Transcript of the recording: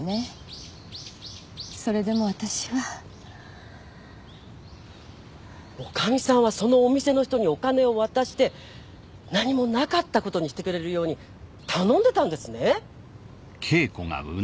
それでも私は女将さんはそのお店の人にお金を渡して何もなかったことにしてくれるように頼んでたんですね！